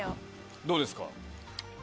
どうですか？